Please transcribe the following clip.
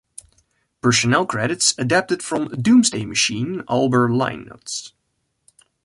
Personnel credits adapted from "Doomsday Machine" album liner notes.